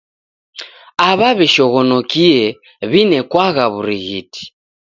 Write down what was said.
Aw'aw'ishoghonokie w'inekwagha w'urighiti.